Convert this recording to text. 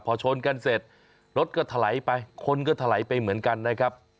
พอชนกันเสร็จรถก็ทะไหลไปคนก็ทะไหลไปเหมือนกันนะครับ